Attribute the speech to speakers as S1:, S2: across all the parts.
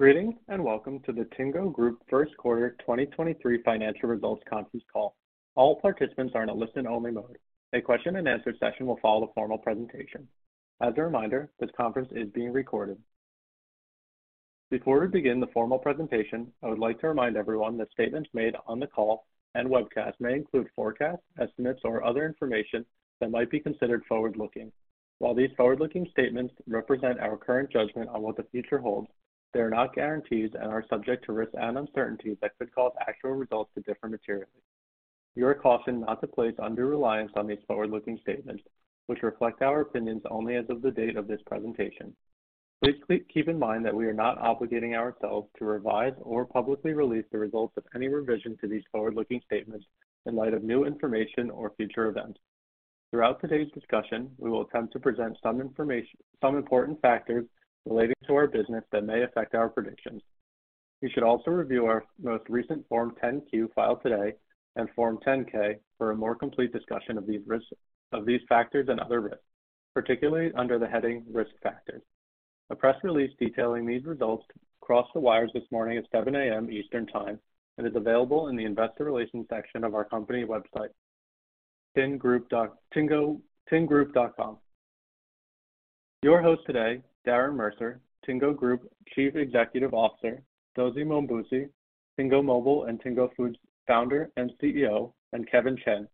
S1: Greetings, and welcome to the Tingo Group 1st quarter 2023 financial results conference call. All participants are in a listen-only mode. A question-and-answer session will follow the formal presentation. As a reminder, this conference is being recorded. Before we begin the formal presentation, I would like to remind everyone that statements made on the call and webcast may include forecasts, estimates, or other information that might be considered forward-looking. While these forward-looking statements represent our current judgment on what the future holds, they are not guarantees and are subject to risks and uncertainties that could cause actual results to differ materially. You are cautioned not to place undue reliance on these forward-looking statements, which reflect our opinions only as of the date of this presentation. Please keep in mind that we are not obligating ourselves to revise or publicly release the results of any revision to these forward-looking statements in light of new information or future events. Throughout today's discussion, we will attempt to present some important factors relating to our business that may affect our predictions. You should also review our most recent Form 10-Q filed today and Form 10-K for a more complete discussion of these factors and other risks, particularly under the heading Risk Factors. A press release detailing these results crossed the wires this morning at 7:00 A.M. Eastern Time and is available in the investor relations section of our company website, tingroup.com. Your host today, Darren Mercer, Tingo Group Chief Executive Officer, Dozy Mmobuosi, Tingo Mobile and Tingo Foods Founder and CEO, and Kevin Chen,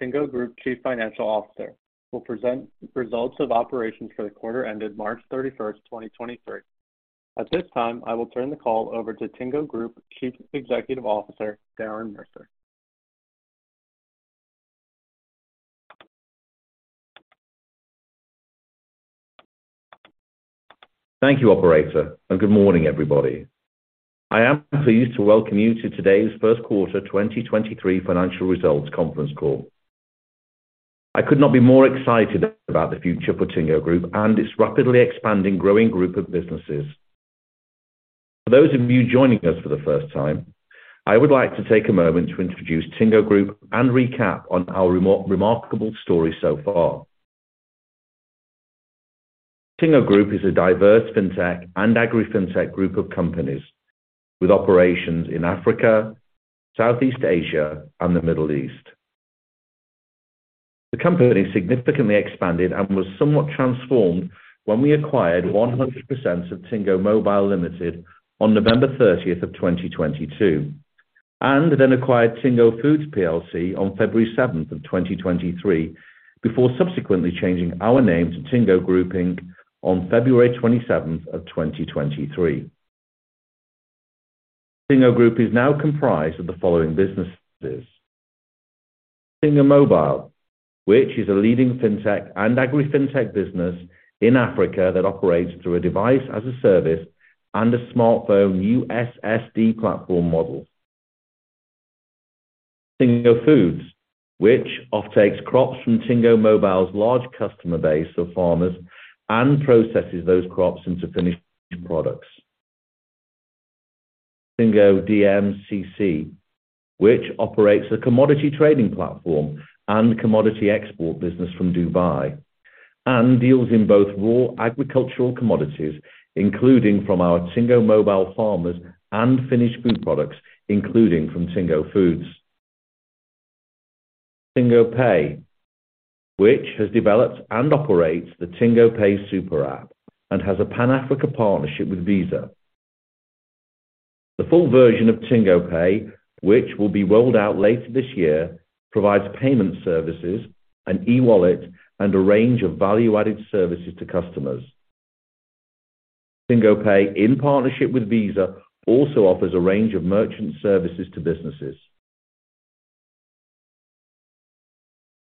S1: Tingo Group Chief Financial Officer, will present results of operations for the quarter ended March 31st, 2023. At this time, I will turn the call over to Tingo Group Chief Executive Officer, Darren Mercer.
S2: Thank you, operator, and good morning, everybody. I am pleased to welcome you to today's first quarter 2023 financial results conference call. I could not be more excited about the future of Tingo Group and its rapidly expanding growing group of businesses. For those of you joining us for the first time, I would like to take a moment to introduce Tingo Group and recap on our remarkable story so far. Tingo Group is a diverse Fintech and AgriFintech group of companies with operations in Africa, Southeast Asia, and the Middle East. The company significantly expanded and was somewhat transformed when we acquired 100% of Tingo Mobile Limited on November 30, 2022, and then acquired Tingo Foods PLC on February 7, 2023, before subsequently changing our name to Tingo Group, Inc. on February 27, 2023. Tingo Group is now comprised of the following businesses: Tingo Mobile, which is a leading Fintech and AgriFintech business in Africa that operates through a device-as-a-service and a smartphone USSD platform model. Tingo Foods, which offtakes crops from Tingo Mobile's large customer base of farmers and processes those crops into finished products. Tingo DMCC, which operates a commodity trading platform and commodity export business from Dubai and deals in both raw agricultural commodities, including from our Tingo Mobile farmers and finished food products, including from Tingo Foods. Tingo Pay, which has developed and operates the Tingo Pay Super App and has a Pan-Africa partnership with Visa. The full version of Tingo Pay, which will be rolled out later this year, provides payment services, an e-wallet, and a range of value-added services to customers. Tingo Pay, in partnership with Visa, also offers a range of merchant services to businesses.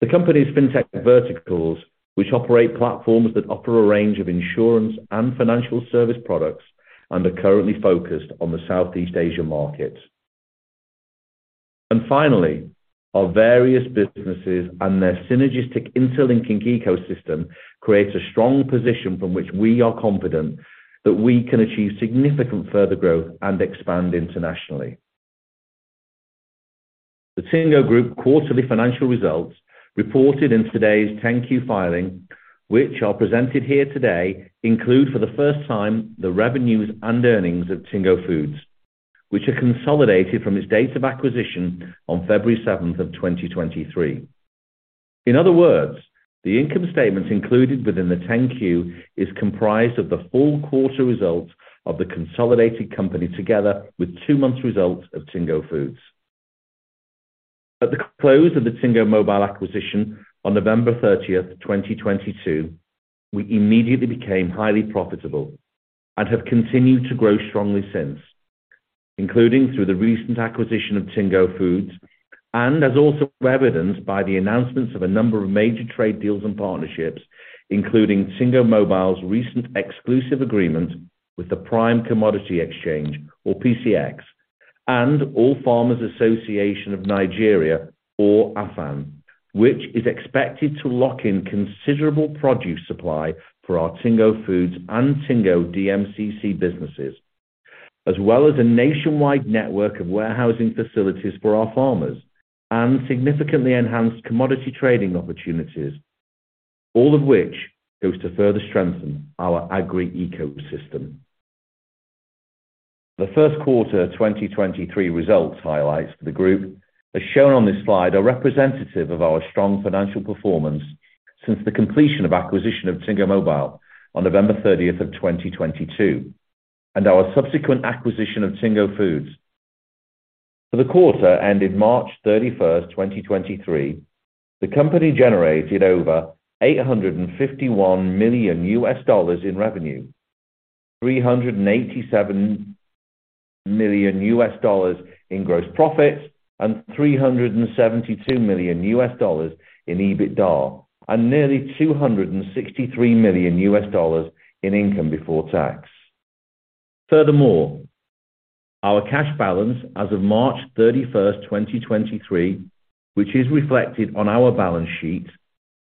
S2: The company's Fintech verticals, which operate platforms that offer a range of insurance and financial service products and are currently focused on the Southeast Asia markets. Finally, our various businesses and their synergistic interlinking ecosystem creates a strong position from which we are confident that we can achieve significant further growth and expand internationally. The Tingo Group quarterly financial results reported in today's 10-Q filing, which are presented here today, include for the first time the revenues and earnings of Tingo Foods, which are consolidated from its date of acquisition on February 7, 2023. In other words, the income statements included within the 10-Q is comprised of the full quarter results of the consolidated company together with 2 months results of Tingo Foods. At the close of the Tingo Mobile acquisition on November 30, 2022, we immediately became highly profitable and have continued to grow strongly since, including through the recent acquisition of Tingo Foods and as also evidenced by the announcements of a number of major trade deals and partnerships, including Tingo Mobile's recent exclusive agreement with the Prime Commodity Exchange, or PCX, and All Farmers Association of Nigeria, or AFAN, which is expected to lock in considerable produce supply for our Tingo Foods and Tingo DMCC businesses. As well as a nationwide network of warehousing facilities for our farmers and significantly enhanced commodity trading opportunities. All of which goes to further strengthen our agri-ecosystem. The 1st quarter of 2023 results highlights for the group, as shown on this slide, are representative of our strong financial performance since the completion of acquisition of Tingo Mobile on November 30th, 2022, and our subsequent acquisition of Tingo Foods. For the quarter ended March 31st, 2023, the company generated over $851 million in revenue, $387 million in gross profits, and $372 million in EBITDA, and nearly $263 million in income before tax. Our cash balance as of March 31st, 2023, which is reflected on our balance sheet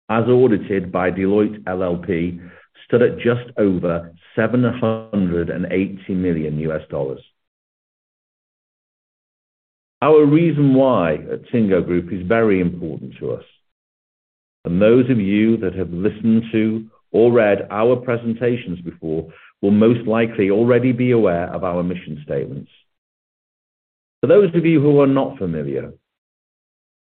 S2: as audited by Deloitte LLP, stood at just over $780 million. Our reason why at Tingo Group is very important to us. Those of you that have listened to or read our presentations before will most likely already be aware of our mission statements. For those of you who are not familiar,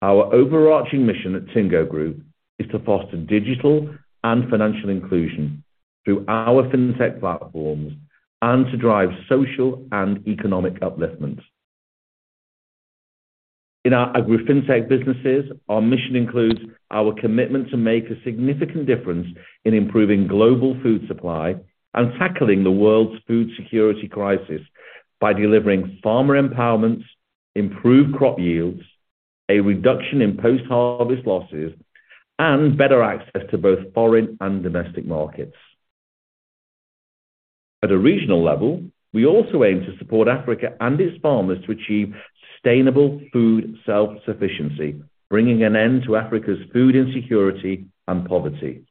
S2: our overarching mission at Tingo Group is to foster digital and financial inclusion through our Fintech platforms and to drive social and economic upliftment. In our AgriFintech businesses, our mission includes our commitment to make a significant difference in improving global food supply and tackling the world's food security crisis by delivering farmer empowerment, improved crop yields, a reduction in post-harvest losses, and better access to both foreign and domestic markets. At a regional level, we also aim to support Africa and its farmers to achieve sustainable food self-sufficiency, bringing an end to Africa's food insecurity and poverty.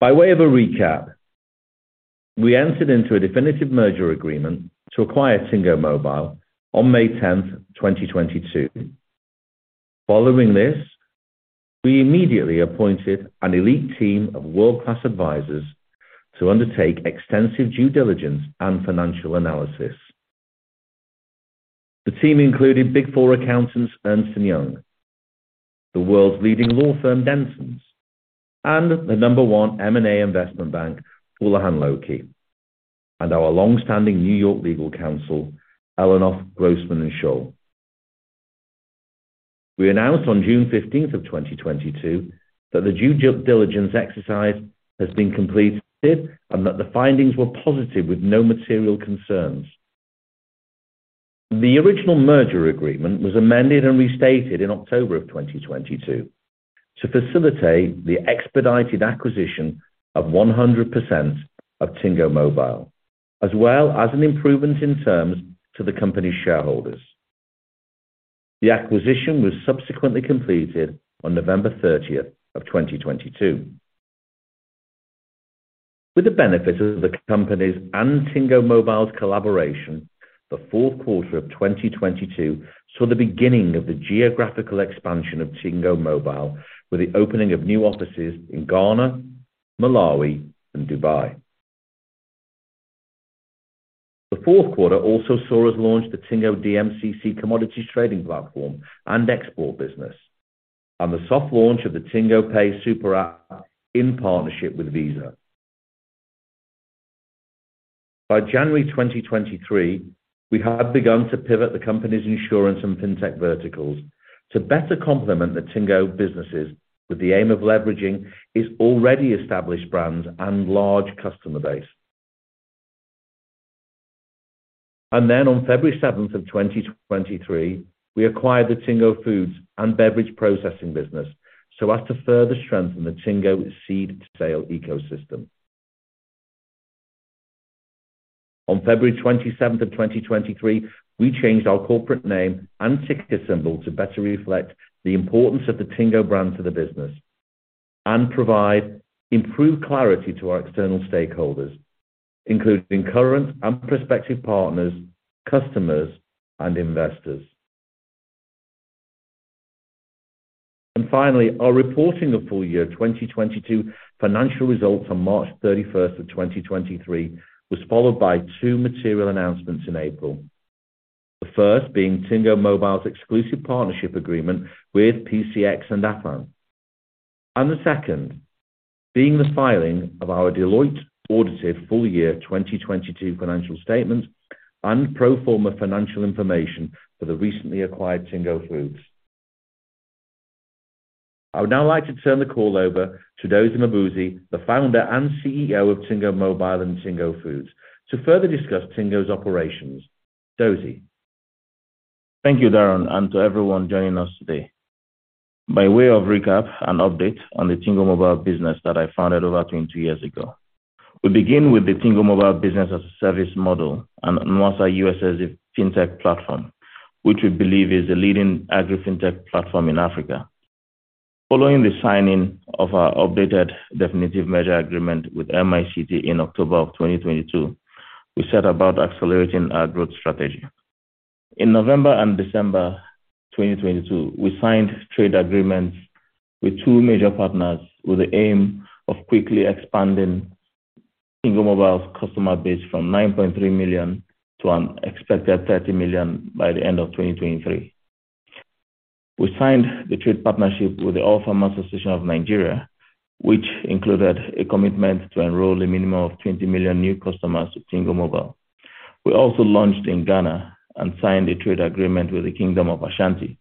S2: By way of a recap, we entered into a definitive merger agreement to acquire Tingo Mobile on May 10, 2022. Following this, we immediately appointed an elite team of world-class advisors to undertake extensive due diligence and financial analysis. The team included Big Four accountants, Ernst & Young, the world's leading law firm, Dentons, and the number one M&A investment bank, Houlihan Lokey, and our long-standing New York legal counsel, Ellenoff Grossman & Schole. We announced on June 15th, 2022 that the due diligence exercise has been completed, and that the findings were positive with no material concerns. The original merger agreement was amended and restated in October 2022 to facilitate the expedited acquisition of 100% of Tingo Mobile, as well as an improvement in terms to the company's shareholders. The acquisition was subsequently completed on November 30th, 2022. With the benefit of the companies and Tingo Mobile's collaboration, the fourth quarter of 2022 saw the beginning of the geographical expansion of Tingo Mobile with the opening of new offices in Ghana, Malawi, and Dubai. The fourth quarter also saw us launch the Tingo DMCC commodities trading platform and export business, and the soft launch of the Tingo Pay Super App in partnership with Visa. By January 2023, we had begun to pivot the company's insurance and Fintech verticals to better complement the Tingo businesses with the aim of leveraging its already established brands and large customer base. On February 7, 2023, we acquired the Tingo Foods and Beverage Processing business so as to further strengthen the Tingo seed-to-sale ecosystem. On February 27, 2023, we changed our corporate name and ticker symbol to better reflect the importance of the Tingo brand to the business and provide improved clarity to our external stakeholders, including current and prospective partners, customers, and investors. Finally, our reporting of full year 2022 financial results on March 31, 2023, was followed by 2 material announcements in April. The first being Tingo Mobile's exclusive partnership agreement with PCX and AFAN. The second being the filing of our Deloitte audited full year 2022 financial statement and pro forma financial information for the recently acquired Tingo Foods. I would now like to turn the call over to Dozy Mmobuosi, the founder and CEO of Tingo Mobile and Tingo Foods, to further discuss Tingo's operations. Dozy.
S3: Thank you, Darren, and to everyone joining us today. By way of recap and update on the Tingo Mobile business that I founded over 20 years ago. We begin with the Tingo Mobile Business as a Service model and Nwassa Fintech platform, which we believe is the leading AgriFintech platform in Africa. Following the signing of our updated definitive measure agreement with MICT in October of 2022, we set about accelerating our growth strategy. In November and December 2022, we signed trade agreements with two major partners with the aim of quickly expanding Tingo Mobile's customer base from 9.3 million to an expected 30 million by the end of 2023. We signed the trade partnership with the All Farmers Association of Nigeria, which included a commitment to enroll a minimum of 20 million new customers to Tingo Mobile. We also launched in Ghana and signed a trade agreement with the Kingdom of Ashanti,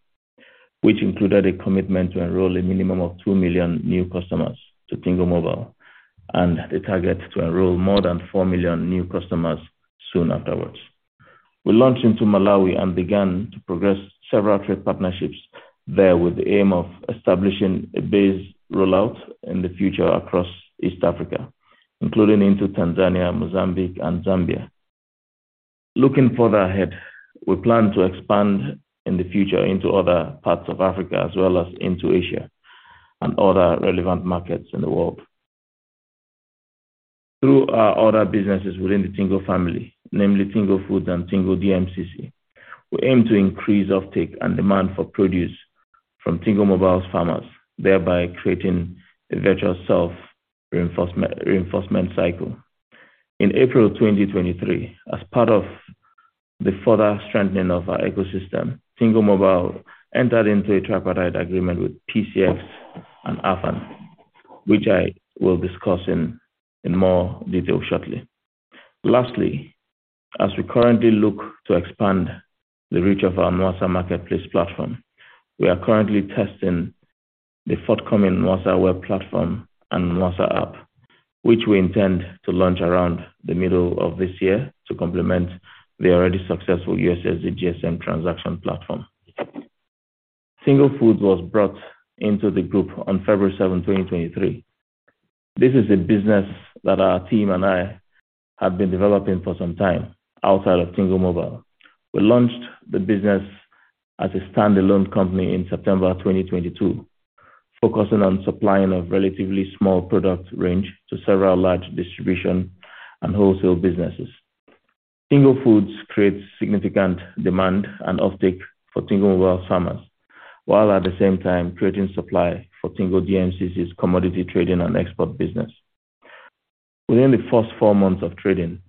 S3: which included a commitment to enroll a minimum of 2 million new customers to Tingo Mobile and the target to enroll more than 4 million new customers soon afterwards. We launched into Malawi and began to progress several trade partnerships there with the aim of establishing a base rollout in the future across East Africa, including into Tanzania, Mozambique and Zambia. Looking further ahead, we plan to expand in the future into other parts of Africa as well as into Asia and other relevant markets in the world. Through our other businesses within the Tingo family, namely Tingo Foods and Tingo DMCC, we aim to increase uptake and demand for produce from Tingo Mobile's farmers, thereby creating a virtual self-reinforcement cycle. In April 2023, as part of the further strengthening of our ecosystem, Tingo Mobile entered into a tripartite agreement with PCX and AFAN, which I will discuss in more detail shortly. Lastly, as we currently look to expand the reach of our Nwassa marketplace platform, we are currently testing the forthcoming Nwassa web platform and Nwassa app, which we intend to launch around the middle of this year to complement the already successful USSD GSM transaction platform. Tingo Foods was brought into the group on February 7, 2023. This is a business that our team and I have been developing for some time outside of Tingo Mobile. We launched the business as a standalone company in September 2022, focusing on supplying a relatively small product range to several large distribution and wholesale businesses. Tingo Foods creates significant demand and uptake for Tingo Mobile farmers, while at the same time creating supply for Tingo DMCC's commodity trading and export business. Within the first 4 months of trading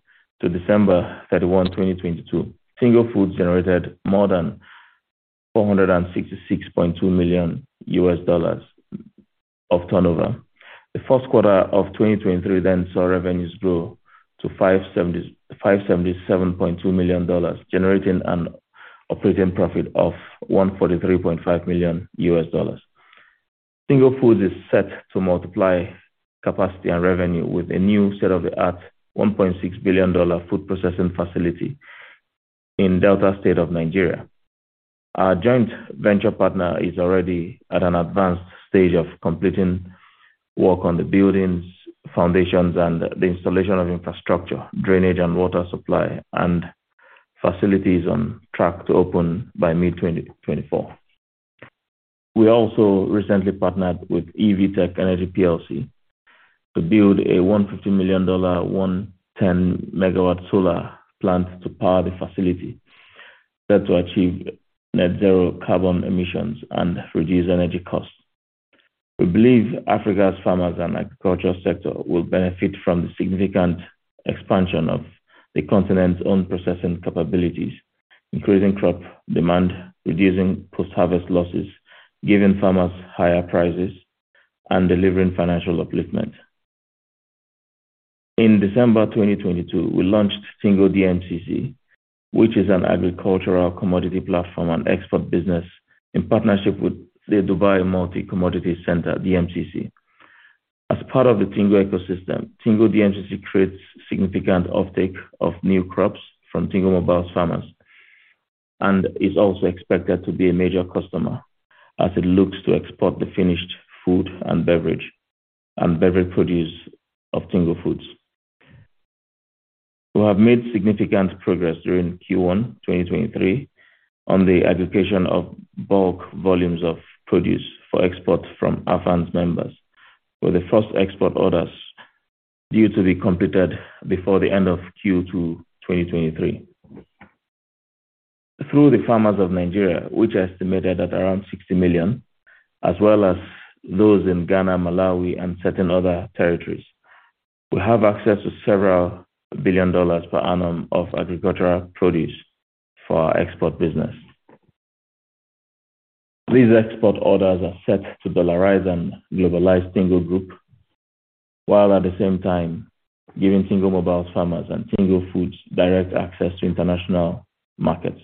S3: to December 31, 2022, Tingo Foods generated more than $466.2 million of turnover. The first quarter of 2023 saw revenues grow to $577.2 million, generating an operating profit of $143.5 million. Tingo Foods is set to multiply capacity and revenue with a new state of the art $1.6 billion food processing facility in Delta State of Nigeria. Our joint venture partner is already at an advanced stage of completing work on the buildings, foundations and the installation of infrastructure, drainage and water supply and facility is on track to open by mid-2024. We also recently partnered with Evtec Energy Plc to build a $150 million, 110 megawatt solar plant to power the facility set to achieve net zero carbon emissions and reduce energy costs. We believe Africa's farmers and agricultural sector will benefit from the significant expansion of the continent's own processing capabilities, increasing crop demand, reducing post-harvest losses, giving farmers higher prices and delivering financial upliftment. In December 2022, we launched Tingo DMCC, which is an agricultural commodity platform and export business in partnership with the Dubai Multi Commodities Centre, DMCC. As part of the Tingo ecosystem, Tingo DMCC creates significant uptake of new crops from Tingo Mobile's farmers and is also expected to be a major customer as it looks to export the finished food and beverage produce of Tingo Foods. We have made significant progress during Q1 2023 on the aggregation of bulk volumes of produce for export from AFAN's members, with the first export orders due to be completed before the end of Q2 2023. Through the farmers of Nigeria, which are estimated at around 60 million, as well as those in Ghana, Malawi and certain other territories, we have access to several billion dollars per annum of agricultural produce for our export business. These export orders are set to dollarize and globalize Tingo Group, while at the same time giving Tingo Mobile's farmers and Tingo Foods direct access to international markets.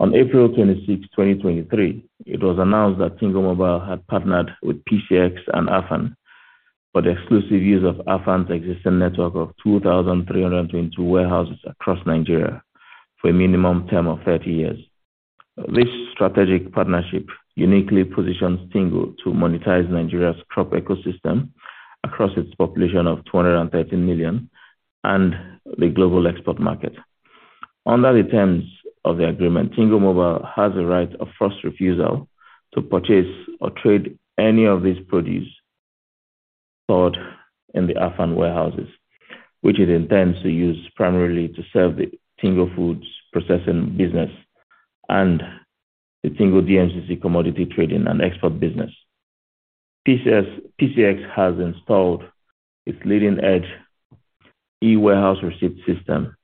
S3: On April 26, 2023, it was announced that Tingo Mobile had partnered with PCX and AFAN for the exclusive use of AFAN's existing network of 2,322 warehouses across Nigeria for a minimum term of 30 years. This strategic partnership uniquely positions Tingo to monetize Nigeria's crop ecosystem across its population of 230 million and the global export market. Under the terms of the agreement, Tingo Mobile has the right of first refusal to purchase or trade any of this produce. Store in the AFAN warehouses, which it intends to use primarily to serve the Tingo Foods processing business and the Tingo DMCC commodity trading and export business. PCX has installed its leading edge e-Warehouse Receipt System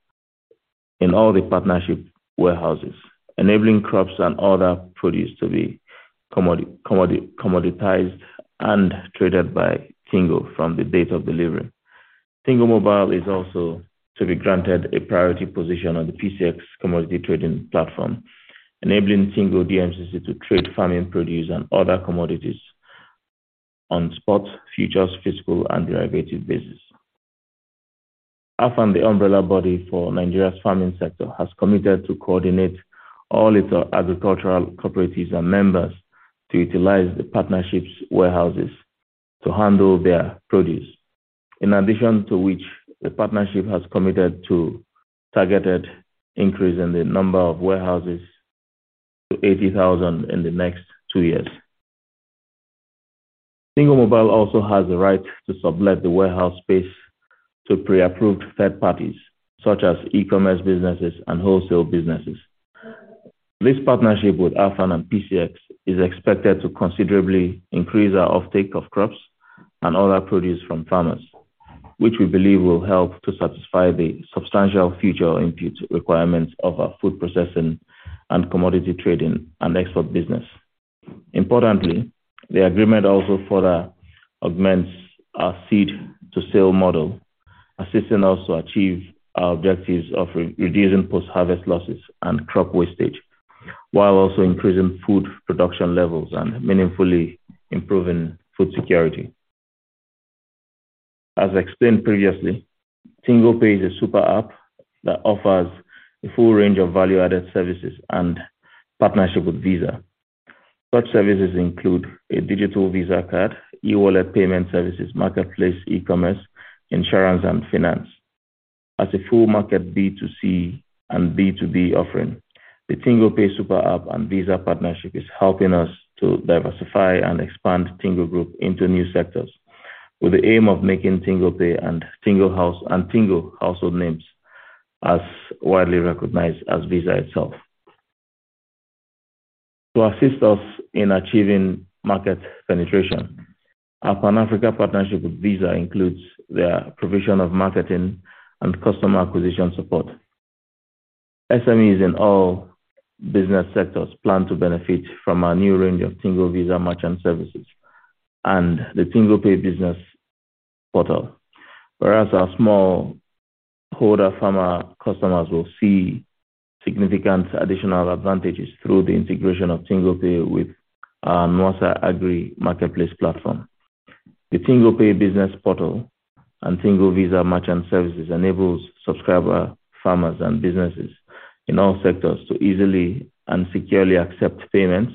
S3: in all the partnership warehouses, enabling crops and other produce to be commoditized and traded by Tingo from the date of delivery. Tingo Mobile is also to be granted a priority position on the PCX commodity trading platform, enabling Tingo DMCC to trade farming produce and other commodities on spot, futures, physical, and derivative basis. AFAN, the umbrella body for Nigeria's farming sector, has committed to coordinate all its agricultural cooperatives and members to utilize the partnership's warehouses to handle their produce. In addition to which, the partnership has committed to targeted increase in the number of warehouses to 80,000 in the next two years. Tingo Mobile also has the right to sublet the warehouse space to pre-approved third parties such as e-commerce businesses and wholesale businesses. This partnership with AFAN and PCX is expected to considerably increase our offtake of crops and other produce from farmers, which we believe will help to satisfy the substantial future input requirements of our food processing and commodity trading and export business. Importantly, the agreement also further augments our seed-to-sale model, assisting us to achieve our objectives of reducing post-harvest losses and crop wastage, while also increasing food production levels and meaningfully improving food security. As explained previously, Tingo Pay is a super app that offers a full range of value-added services and partnership with Visa. Such services include a digital Visa card, e-wallet payment services, marketplace e-commerce, insurance, and finance. As a full market B2C and B2B offering, the Tingo Pay super app and Visa partnership is helping us to diversify and expand Tingo Group into new sectors with the aim of making Tingo Pay and Tingo household names as widely recognized as Visa itself. To assist us in achieving market penetration, our Pan-Africa partnership with Visa includes their provision of marketing and customer acquisition support. SMEs in all business sectors plan to benefit from our new range of Tingo Visa merchant services and the TingoPay business portal. Our smallholder farmer customers will see significant additional advantages through the integration of Tingo Pay with our Nwassa Agri-Marketplace platform. The Tingo Pay business portal and Tingo Visa merchant services enables subscriber, farmers, and businesses in all sectors to easily and securely accept payments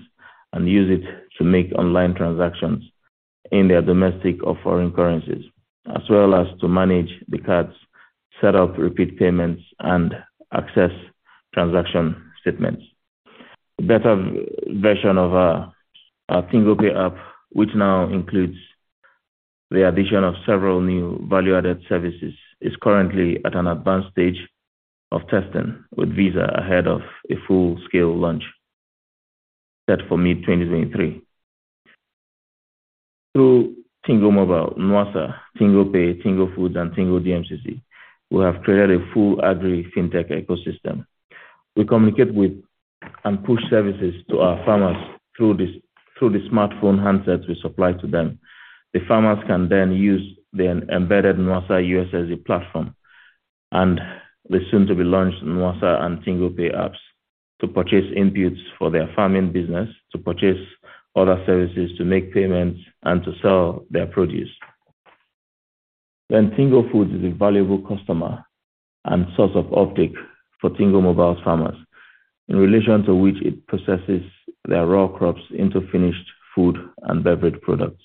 S3: and use it to make online transactions in their domestic or foreign currencies, as well as to manage the cards, set up repeat payments, and access transaction statements. A better version of our Tingo Pay app, which now includes the addition of several new value-added services, is currently at an advanced stage of testing with Visa ahead of a full-scale launch set for mid-2023. Through Tingo Mobile, Nwassa, Tingo Pay, Tingo Foods, and Tingo DMCC, we have created a full AgriFintech ecosystem. We communicate with and push services to our farmers through the smartphone handsets we supply to them. The farmers can then use the embedded Nwassa USSD platform and the soon to be launched Nwassa and Tingo Pay apps to purchase inputs for their farming business, to purchase other services, to make payments, and to sell their produce. Tingo Foods is a valuable customer and source of offtake for Tingo Mobile's farmers, in relation to which it processes their raw crops into finished food and beverage products.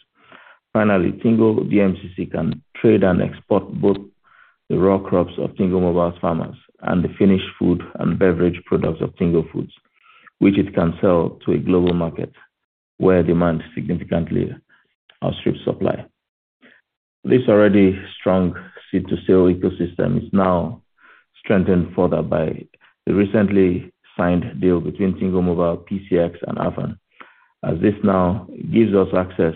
S3: Tingo DMCC can trade and export both the raw crops of Tingo Mobile's farmers and the finished food and beverage products of Tingo Foods, which it can sell to a global market where demand significantly outstrips supply. This already strong seed-to-sale ecosystem is now strengthened further by the recently signed deal between Tingo Mobile, PCX, and AFAN. As this now gives us access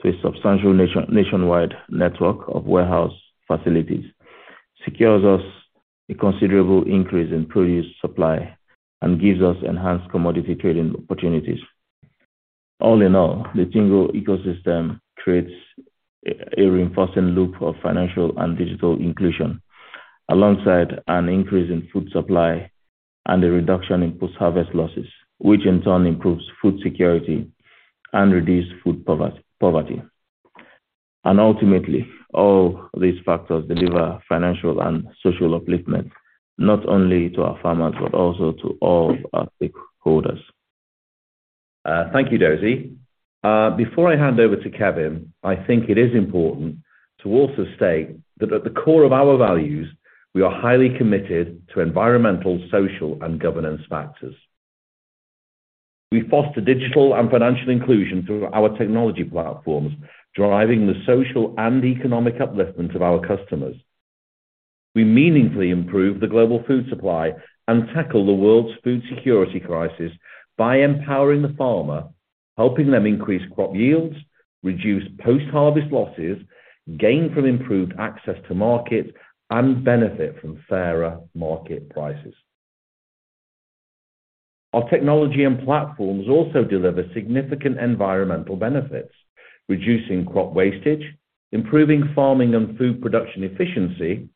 S3: to a substantial nationwide network of warehouse facilities, secures us a considerable increase in produce supply, and gives us enhanced commodity trading opportunities. All in all, the Tingo ecosystem creates a reinforcing loop of financial and digital inclusion, alongside an increase in food supply and a reduction in post-harvest losses, which in turn improves food security and reduce food poverty. Ultimately, all these factors deliver financial and social upliftment, not only to our farmers, but also to all our stakeholders.
S2: Thank you, Dozy. Before I hand over to Kevin, I think it is important to also state that at the core of our values, we are highly committed to environmental, social, and governance factors. We foster digital and financial inclusion through our technology platforms, driving the social and economic upliftment of our customers. We meaningfully improve the global food supply and tackle the world's food security crisis by empowering the farmer, helping them increase crop yields, reduce post-harvest losses, gain from improved access to market, and benefit from fairer market prices. Our technology and platforms also deliver significant environmental benefits, reducing crop wastage, improving farming and food production efficiency,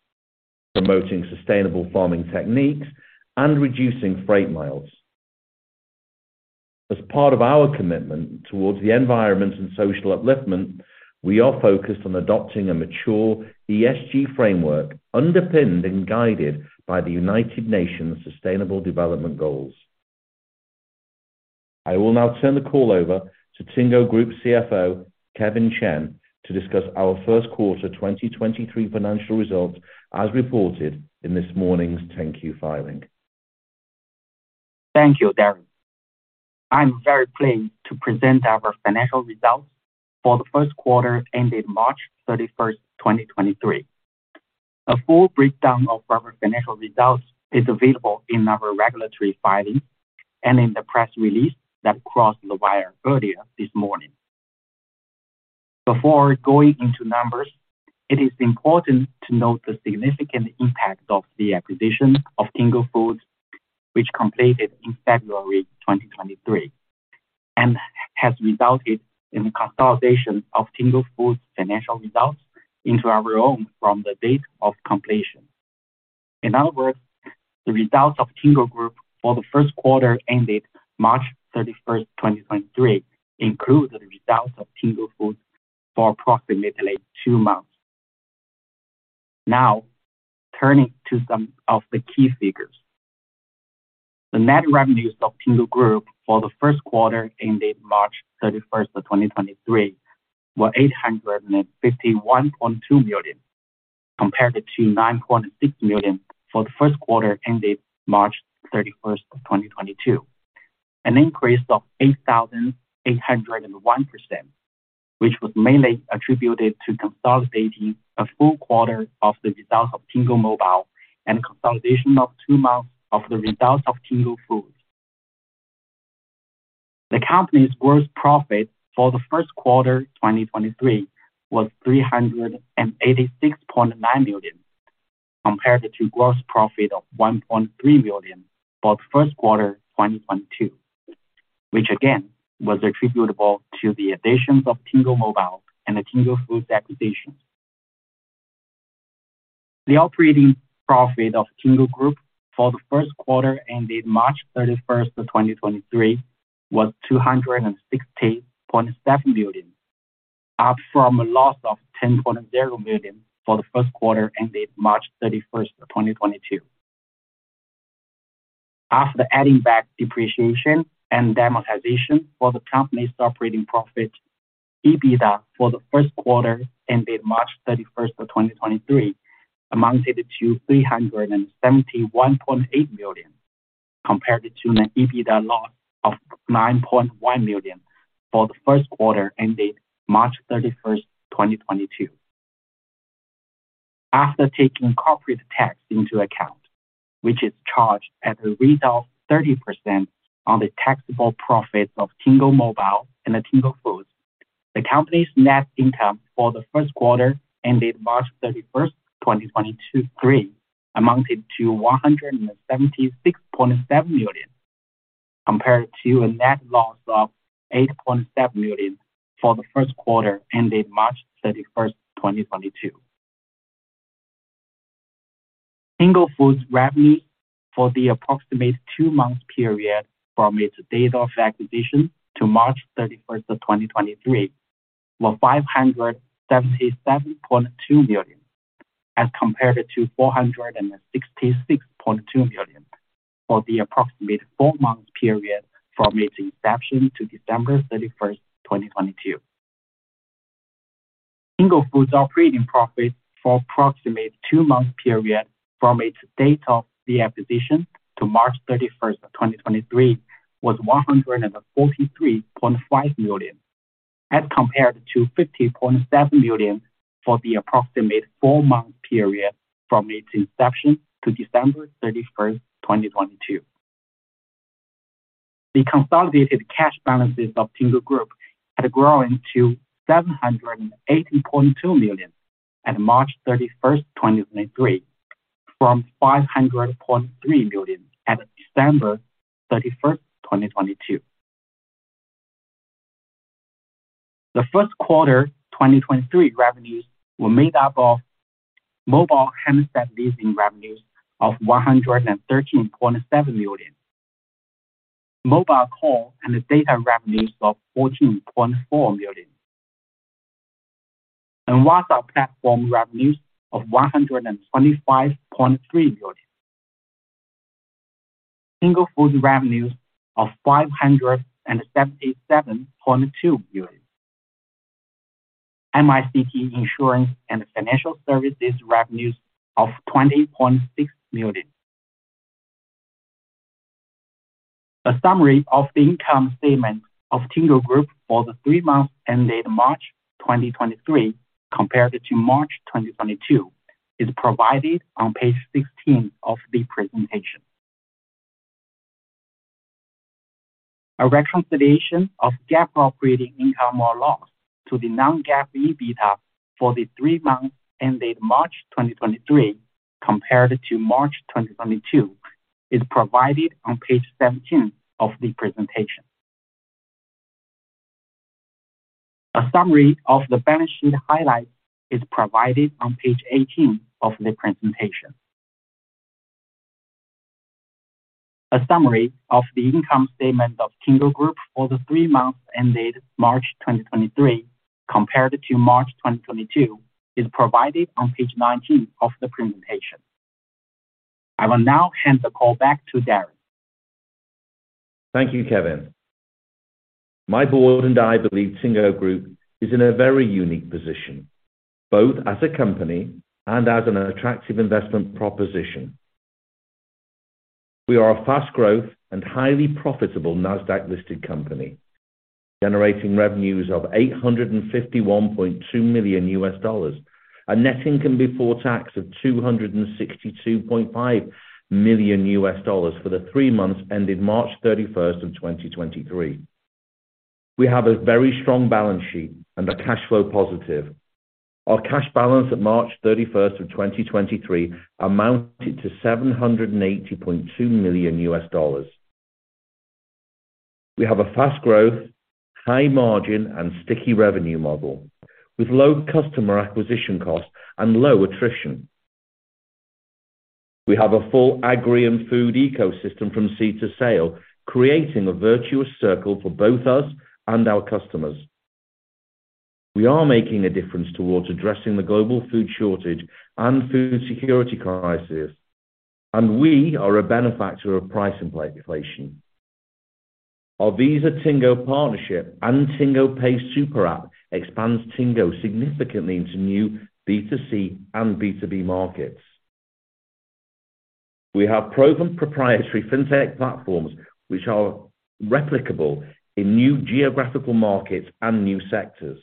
S2: promoting sustainable farming techniques, and reducing freight miles. As part of our commitment towards the environment and social upliftment, we are focused on adopting a mature ESG framework underpinned and guided by the United Nations Sustainable Development Goals. I will now turn the call over to Tingo Group CFO, Kevin Chen, to discuss our first quarter 2023 financial results, as reported in this morning's 10-Q filing.
S4: Thank you, Darren. I'm very pleased to present our financial results for the first quarter ended March 31st, 2023. A full breakdown of our financial results is available in our regulatory filing and in the press release that crossed the wire earlier this morning. Before going into numbers, it is important to note the significant impact of the acquisition of Tingo Foods, which completed in February 2023, and has resulted in the consolidation of Tingo Foods' financial results into our own from the date of completion. In other words, the results of Tingo Group for the first quarter ended March 31st, 2023 include the results of Tingo Foods for approximately 2 months. Now, turning to some of the key figures. The net revenues of Tingo Group for the first quarter ended March thirty-first of 2023 were $851.2 million, compared to $9.6 million for the first quarter ended March thirty-first of 2022, an increase of 8,801%, which was mainly attributed to consolidating a full quarter of the results of Tingo Mobile and consolidation of two months of the results of Tingo Foods. The company's gross profit for the first quarter, 2023 was $386.9 million, compared to gross profit of $1.3 million for the first quarter, 2022, which again was attributable to the additions of Tingo Mobile and the Tingo Foods acquisitions. The operating profit of Tingo Group for the first quarter ended March thirty-first of 2023 was $260.7 million, up from a loss of $10.0 million for the first quarter ended March thirty-first, 2022. After adding back depreciation and amortization for the company's operating profit, EBITDA for the first quarter ended March thirty-first of 2023 amounted to $371.8 million, compared to an EBITDA loss of $9.1 million for the first quarter ended March thirty-first, 2022. After taking corporate tax into account, which is charged at a rate of 30% on the taxable profits of Tingo Mobile and Tingo Foods, the company's net income for the first quarter ended March thirty-first, 2023 amounted to $176.7 million, compared to a net loss of $8.7 million for the first quarter ended March thirty-first, 2022. Tingo Foods revenue for the approximate two-month period from its date of acquisition to March thirty-first of 2023, were $577.2 million, as compared to $466.2 million for the approximate four-month period from its inception to December thirty-first, 2022. Tingo Foods operating profit for approximate 2-month period from its date of the acquisition to March 31, 2023, was $143.5 million, as compared to $50.7 million for the approximate 4-month period from its inception to December 31, 2022. The consolidated cash balances of Tingo Group had grown to $780.2 million at March 31, 2023, from $500.3 million at December 31, 2022. The first quarter 2023 revenues were made up of mobile handset leasing revenues of $113.7 million. Mobile call and data of $14.4 million. Nwassa platform revenues of $125.3 million. Tingo Foods revenues of $577.2 million. MICT insurance and financial services revenues of $20.6 million. A summary of the income statement of Tingo Group for the 3 months ended March 2023 compared to March 2022 is provided on page 16 of the presentation. A reconciliation of GAAP operating income or loss to the non-GAAP EBITDA for the 3 months ended March 2023 compared to March 2022 is provided on page 17 of the presentation. A summary of the balance sheet highlights is provided on page 18 of the presentation. A summary of the income statement of Tingo Group for the 3 months ended March 2023 compared to March 2022 is provided on page 19 of the presentation. I will now hand the call back to Darren.
S2: Thank you, Kevin. My board and I believe Tingo Group is in a very unique position, both as a company and as an attractive investment proposition. We are a fast growth and highly profitable Nasdaq-listed company, generating revenues of $851.2 million and net income before tax of $262.5 million for the three months ending March 31, 2023. We have a very strong balance sheet and are cash flow positive. Our cash balance at March 31, 2023 amounted to $780.2 million. We have a fast growth, high margin and sticky revenue model with low customer acquisition costs and low attrition. We have a full agri and food ecosystem from seed-to-sale, creating a virtuous circle for both us and our customers. We are making a difference towards addressing the global food shortage and food security crisis. We are a benefactor of price inflation. Our Visa Tingo partnership and Tingo Pay Super App expands Tingo significantly into new B2C and B2B markets. We have proven proprietary fintech platforms which are replicable in new geographical markets and new sectors.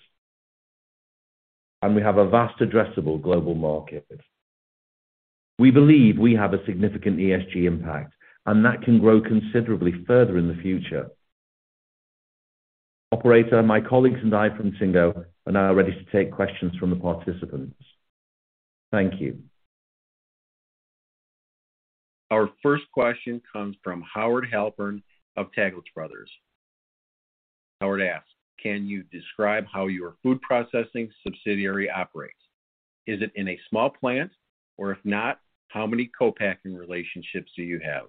S2: We have a vast addressable global market. We believe we have a significant ESG impact, and that can grow considerably further in the future. Operator, my colleagues and I from Tingo are now ready to take questions from the participants. Thank you.
S1: Our first question comes from Howard Halpern of Taglich Brothers. Howard asks, "Can you describe how your food processing subsidiary operates? Is it in a small plant, or if not, how many co-packing relationships do you have?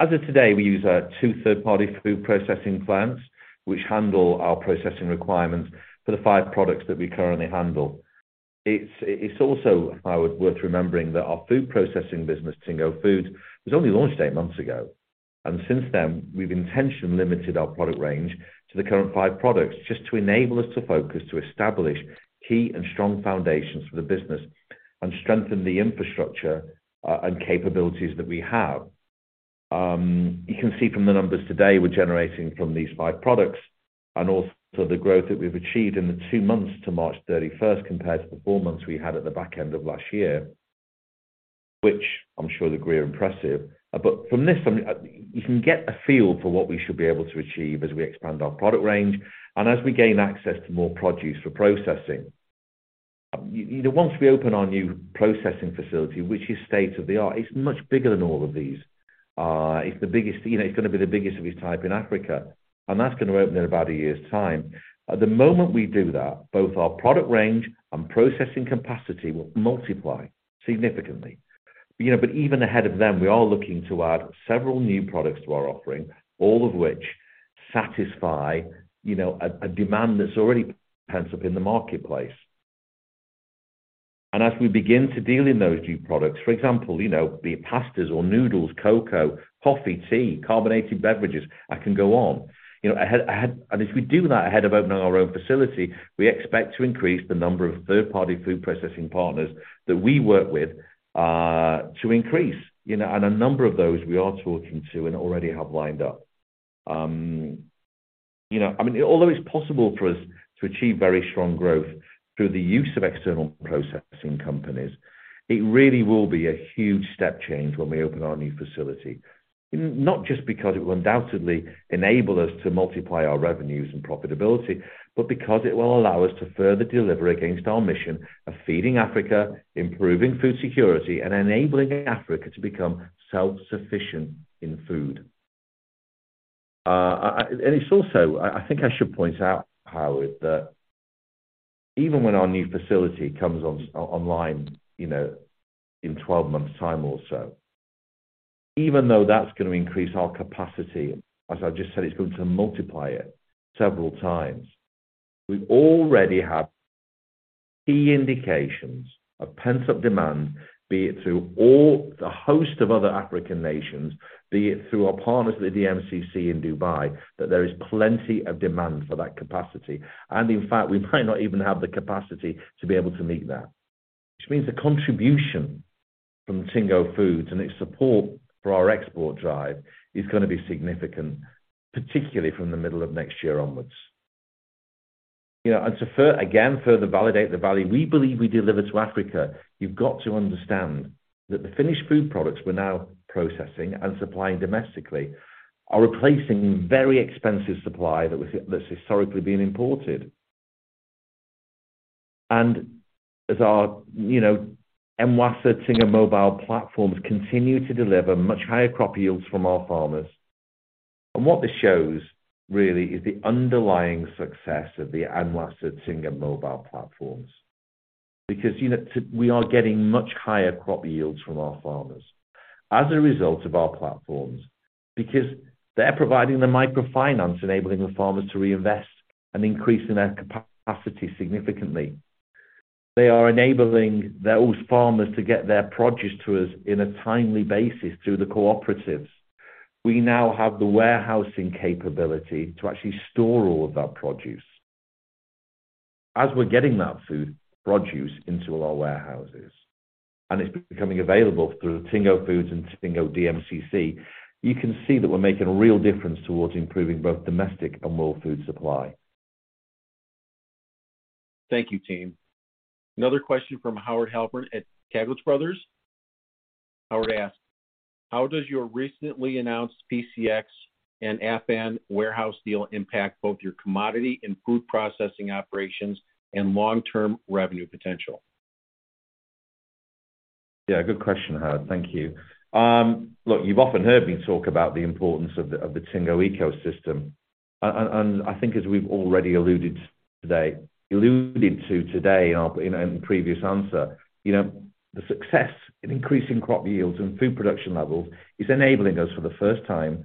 S2: As of today, we use 2 third-party food processing plants which handle our processing requirements for the 5 products that we currently handle. It's also, Howard, worth remembering that our food processing business, Tingo Foods, was only launched 8 months ago. Since then, we've intentionally limited our product range to the current 5 products just to enable us to focus to establish key and strong foundations for the business and strengthen the infrastructure and capabilities that we have. You can see from the numbers today we're generating from these 5 products and also the growth that we've achieved in the 2 months to March 31st compared to the 4 months we had at the back end of last year, which I'm sure that we're impressive. From this, I mean, you can get a feel for what we should be able to achieve as we expand our product range and as we gain access to more produce for processing. You know, once we open our new processing facility, which is state-of-the-art, it's much bigger than all of these. It's the biggest, you know, it's gonna be the biggest of its type in Africa, and that's gonna open in about a year's time. At the moment we do that, both our product range and processing capacity will multiply significantly. You know, even ahead of them, we are looking to add several new products to our offering, all of which satisfy, you know, a demand that's already pent up in the marketplace. As we begin to deal in those new products, for example, you know, be it pastas or noodles, cocoa, coffee, tea, carbonated beverages, I can go on. You know, ahead, and as we do that ahead of opening our own facility, we expect to increase the number of third-party food processing partners that we work with, to increase, you know. A number of those we are talking to and already have lined up. You know, I mean, although it's possible for us to achieve very strong growth through the use of external processing companies, it really will be a huge step change when we open our new facility. Not just because it will undoubtedly enable us to multiply our revenues and profitability, but because it will allow us to further deliver against our mission of feeding Africa, improving food security, and enabling Africa to become self-sufficient in food. It's also, I think I should point out, Howard, that even when our new facility comes online, you know, in 12 months' time or so, even though that's gonna increase our capacity, as I just said, it's going to multiply it several times. We already have Key indications of pent-up demand, be it through all the host of other African nations, be it through our partners at the DMCC in Dubai, that there is plenty of demand for that capacity. In fact, we might not even have the capacity to be able to meet that. Which means the contribution from Tingo Foods and its support for our export drive is gonna be significant, particularly from the middle of next year onwards. You know, further validate the value we believe we deliver to Africa, you've got to understand that the finished food products we're now processing and supplying domestically are replacing very expensive supply that's historically been imported. As our, you know, Nwassa Tingo Mobile platforms continue to deliver much higher crop yields from our farmers. What this shows really is the underlying success of the Nwassa Tingo Mobile platforms. Because, you know, we are getting much higher crop yields from our farmers as a result of our platforms, because they're providing the microfinance, enabling the farmers to reinvest and increasing their capacity significantly. They are enabling those farmers to get their produce to us in a timely basis through the cooperatives. We now have the warehousing capability to actually store all of that produce. As we're getting that food produce into our warehouses, and it's becoming available through Tingo Foods and Tingo DMCC, you can see that we're making a real difference towards improving both domestic and world food supply.
S1: Thank you, team. Another question from Howard Halpern at Taglich Brothers. Howard asked, "How does your recently announced PCX and AFAN warehouse deal impact both your commodity and food processing operations and long-term revenue potential?
S2: Yeah, good question, Howard. Thank you. look, you've often heard me talk about the importance of the Tingo ecosystem. I think as we've already alluded to today in a previous answer, you know, the success in increasing crop yields and food production levels is enabling us for the first time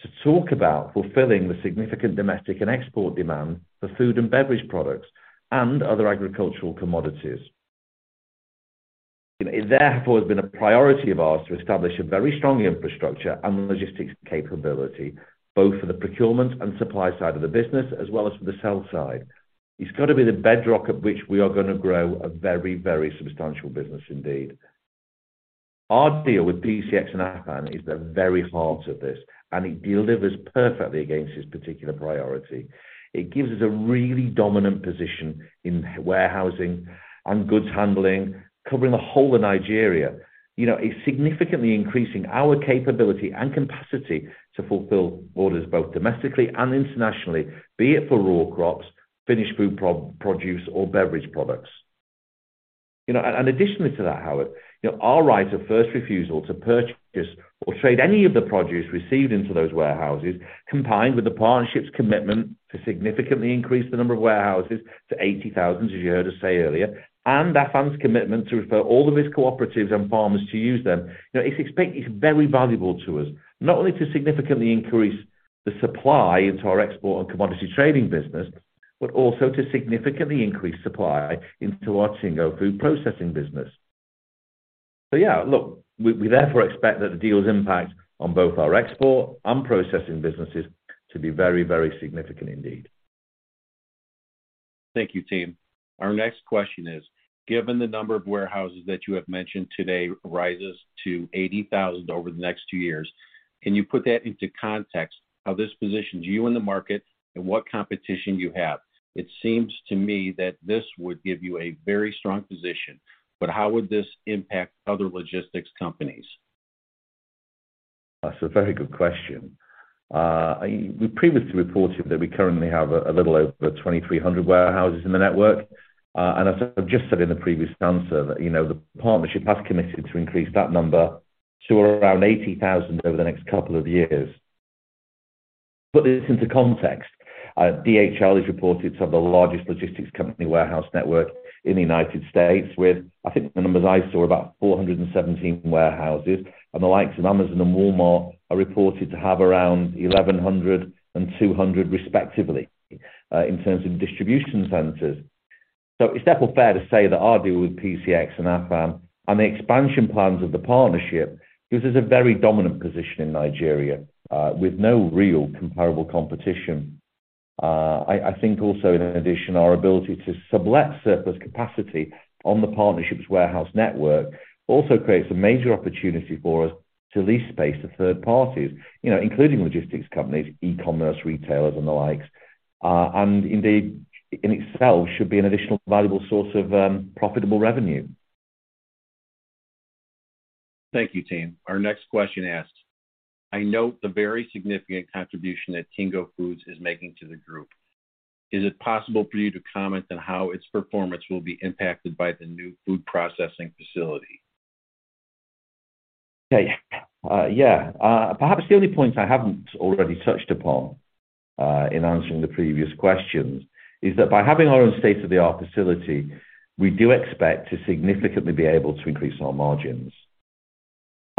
S2: to talk about fulfilling the significant domestic and export demand for food and beverage products and other agricultural commodities. It therefore has been a priority of ours to establish a very strong infrastructure and logistics capability, both for the procurement and supply side of the business as well as for the sell side. It's gotta be the bedrock at which we are gonna grow a very, very substantial business indeed. Our deal with PCX and AFAN is the very heart of this, and it delivers perfectly against this particular priority. It gives us a really dominant position in warehousing and goods handling, covering the whole of Nigeria. You know, it's significantly increasing our capability and capacity to fulfill orders both domestically and internationally, be it for raw crops, finished food produce or beverage products. You know, and additionally to that, Howard, you know, our right of first refusal to purchase or trade any of the produce received into those warehouses, combined with the partnership's commitment to significantly increase the number of warehouses to 80,000, as you heard us say earlier, and AFAN's commitment to refer all of its cooperatives and farmers to use them, you know, it's very valuable to us, not only to significantly increase the supply into our export and commodity trading business, but also to significantly increase supply into our Tingo Foods processing business. Yeah, look, we therefore expect that the deal's impact on both our export and processing businesses to be very, very significant indeed.
S5: Thank you, team. Our next question is, given the number of warehouses that you have mentioned today rises to 80,000 over the next two years, can you put that into context how this positions you in the market and what competition you have? It seems to me that this would give you a very strong position, but how would this impact other logistics companies?
S2: That's a very good question. We previously reported that we currently have a little over 2,300 warehouses in the network. And as I've just said in the previous answer that, you know, the partnership has committed to increase that number to around 80,000 over the next couple of years. To put this into context, DHL is reported to have the largest logistics company warehouse network in the United States with, I think the numbers I saw, about 417 warehouses, and the likes of Amazon and Walmart are reported to have around 1,100 and 200 respectively, in terms of distribution centers. It's therefore fair to say that our deal with PCX and AFAN and the expansion plans of the partnership gives us a very dominant position in Nigeria, with no real comparable competition. I think also in addition, our ability to sublet surplus capacity on the partnership's warehouse network also creates a major opportunity for us to lease space to third parties, you know, including logistics companies, e-commerce, retailers and the likes. Indeed in itself should be an additional valuable source of profitable revenue.
S5: Thank you, team. Our next question asks, I note the very significant contribution that Tingo Foods is making to the group. Is it possible for you to comment on how its performance will be impacted by the new food processing facility?
S2: Okay. Yeah. Perhaps the only point I haven't already touched upon in answering the previous questions is that by having our own state-of-the-art facility, we do expect to significantly be able to increase our margins.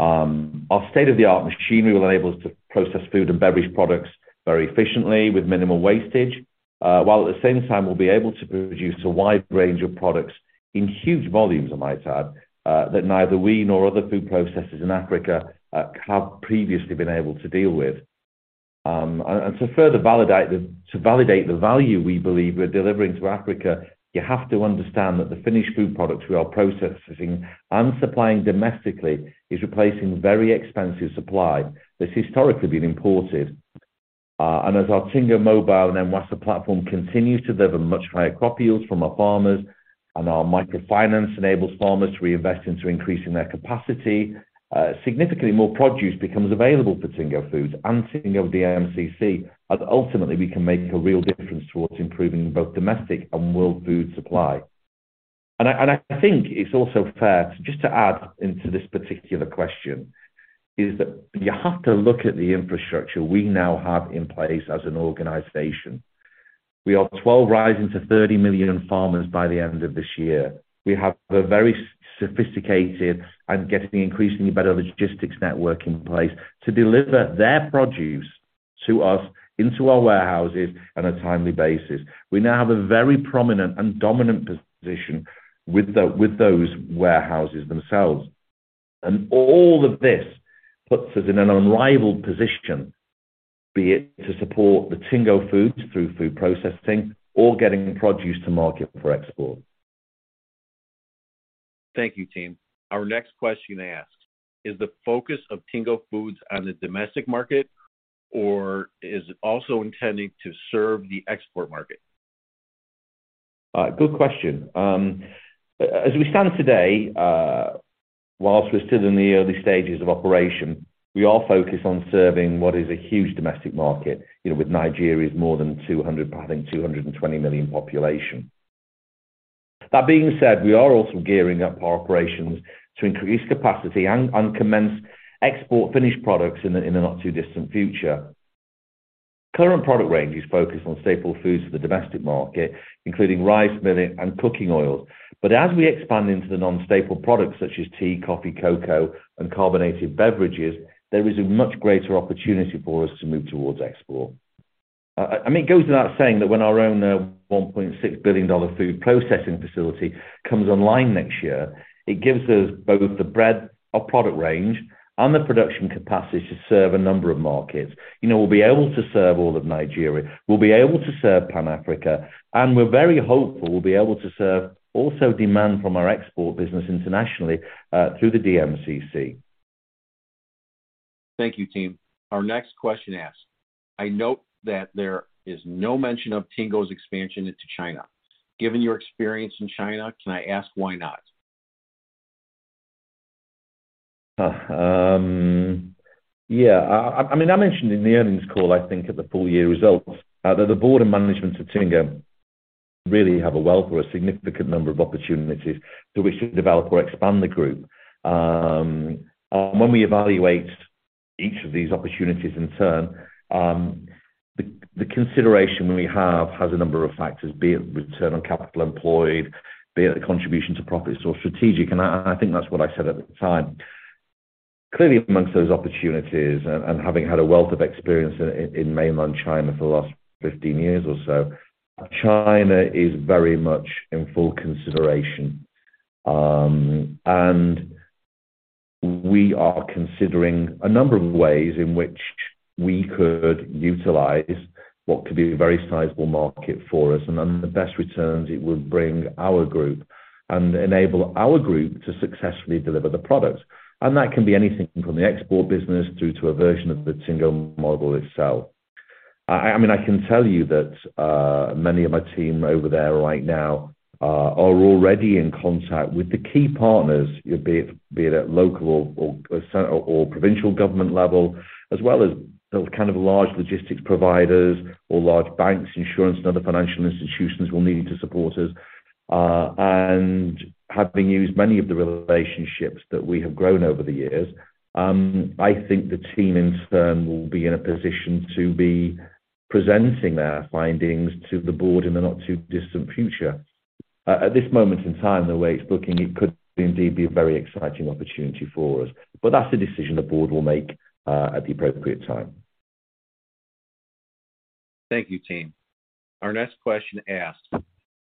S2: Our state-of-the-art machinery will enable us to process food and beverage products very efficiently with minimal wastage, while at the same time we'll be able to produce a wide range of products in huge volumes, I might add, that neither we nor other food processors in Africa have previously been able to deal with. To further validate the value we believe we're delivering to Africa, you have to understand that the finished food products we are processing and supplying domestically is replacing very expensive supply that's historically been imported. As our Tingo Mobile and Nwassa platform continues to deliver much higher crop yields from our farmers and our microfinance enables farmers to reinvest into increasing their capacity, significantly more produce becomes available for Tingo Foods and Tingo DMCC, as ultimately we can make a real difference towards improving both domestic and world food supply. I think it's also fair to, just to add into this particular question, is that you have to look at the infrastructure we now have in place as an organization. We are 12 rising to 30 million farmers by the end of this year. We have a very sophisticated and getting increasingly better logistics network in place to deliver their produce to us into our warehouses on a timely basis. We now have a very prominent and dominant position with those warehouses themselves. All of this puts us in an unrivaled position, be it to support the Tingo Foods through food processing or getting produce to market for export.
S5: Thank you, team. Our next question asks, "Is the focus of Tingo Foods on the domestic market or is it also intending to serve the export market?
S2: Good question. As we stand today, whilst we're still in the early stages of operation, we are focused on serving what is a huge domestic market, you know, with Nigeria's more than 200, I think 220 million population. That being said, we are also gearing up our operations to increase capacity and commence export finished products in a not too distant future. Current product range is focused on staple foods for the domestic market, including rice milling and cooking oils. As we expand into the non-staple products such as tea, coffee, cocoa, and carbonated beverages, there is a much greater opportunity for us to move towards export. I mean, it goes without saying that when our own $1.6 billion food processing facility comes online next year, it gives us both the breadth of product range and the production capacity to serve a number of markets. You know, we'll be able to serve all of Nigeria. We'll be able to serve Pan Africa, and we're very hopeful we'll be able to serve also demand from our export business internationally, through the DMCC.
S5: Thank you, team. Our next question asks, "I note that there is no mention of Tingo's expansion into China. Given your experience in China, can I ask why not?
S2: Yeah. I mean, I mentioned in the earnings call, I think at the full year results, that the board and management of Tingo really have a wealth or a significant number of opportunities that we should develop or expand the group. When we evaluate each of these opportunities in turn, the consideration we have has a number of factors, be it return on capital employed, be it a contribution to profits or strategic. I think that's what I said at the time. Clearly amongst those opportunities and having had a wealth of experience in Mainland China for the last 15 years or so, China is very much in full consideration. We are considering a number of ways in which we could utilize what could be a very sizable market for us. The best returns it would bring our group and enable our group to successfully deliver the products. That can be anything from the export business through to a version of the Tingo model itself. I mean, I can tell you that many of my team over there right now are already in contact with the key partners, be it at local or provincial government level, as well as the kind of large logistics providers or large banks, insurance and other financial institutions we'll need to support us. Have been used many of the relationships that we have grown over the years. I think the team in turn will be in a position to be presenting their findings to the board in the not too distant future. At this moment in time, the way it's looking, it could indeed be a very exciting opportunity for us. That's a decision the board will make at the appropriate time.
S5: Thank you, team. Our next question asks,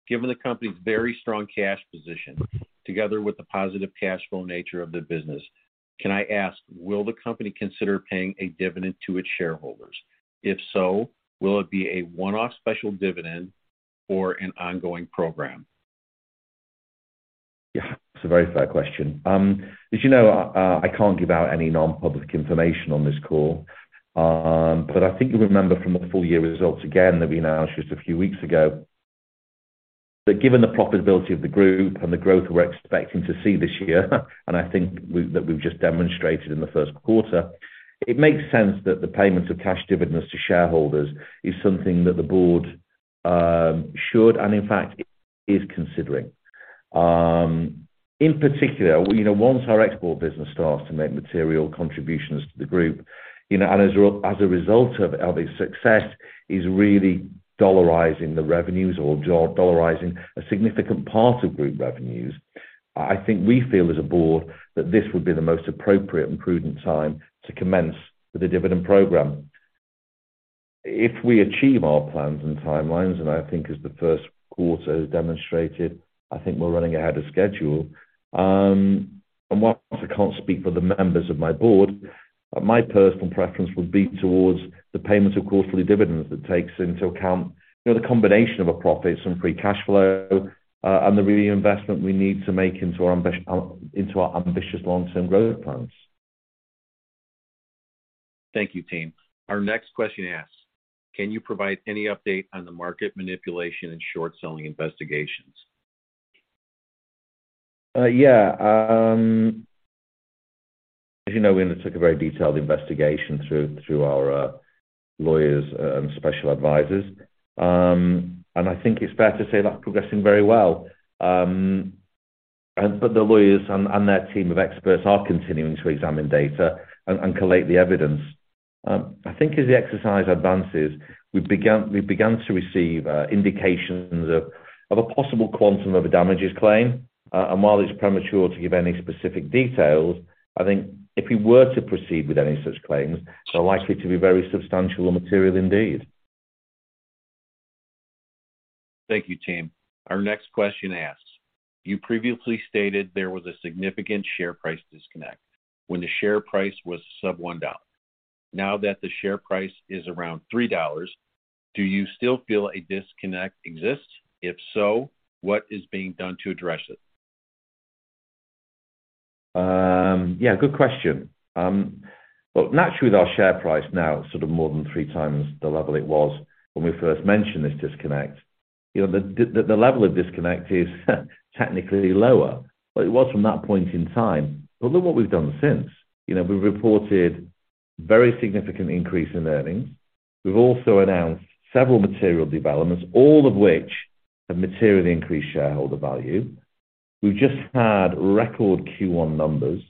S5: "Given the company's very strong cash position together with the positive cash flow nature of the business, can I ask, will the company consider paying a dividend to its shareholders? If so, will it be a one-off special dividend or an ongoing program?
S2: Yeah, it's a very fair question. As you know, I can't give out any non-public information on this call. I think you'll remember from the full year results again that we announced just a few weeks ago that given the profitability of Tingo Group and the growth we're expecting to see this year, and I think we've just demonstrated in the first quarter, it makes sense that the payments of cash dividends to shareholders is something that the board should and in fact is considering. In particular, you know, once our export business starts to make material contributions to the group, you know, and as a result of how the success is really dollarizing the revenues or dollarizing a significant part of group revenues, I think we feel as a board that this would be the most appropriate and prudent time to commence with a dividend program. If we achieve our plans and timelines, and I think as the first quarter has demonstrated, I think we're running ahead of schedule. And while I can't speak for the members of my board, my personal preference would be towards the payment of quarterly dividends that takes into account, you know, the combination of a profit, some free cash flow, and the reinvestment we need to make into our ambitious long-term growth plans.
S5: Thank you, team. Our next question asks, "Can you provide any update on the market manipulation and short-selling investigations?
S2: Yeah. As you know, we undertook a very detailed investigation through our lawyers and special advisors. I think it's fair to say that's progressing very well. The lawyers and their team of experts are continuing to examine data and collate the evidence. I think as the exercise advances, we've begun to receive indications of a possible quantum of a damages claim. While it's premature to give any specific details, I think if we were to proceed with any such claims, they're likely to be very substantial and material indeed.
S5: Thank you, team. Our next question asks, "You previously stated there was a significant share price disconnect when the share price was sub $1. Now that the share price is around $3, do you still feel a disconnect exists? If so, what is being done to address it?
S2: Yeah, good question. Well, naturally, with our share price now sort of more than three times the level it was when we first mentioned this disconnect, you know, the level of disconnect is technically lower than it was from that point in time. Look what we've done since. You know, we've reported very significant increase in earnings. We've also announced several material developments, all of which have materially increased shareholder value. We've just had record Q1 numbers.